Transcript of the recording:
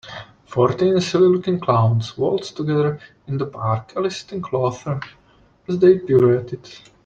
Fourteen silly looking clowns waltzed together in the park eliciting laughter as they pirouetted.